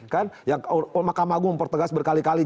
kan yang mahkamah agung mempertegas berkali kali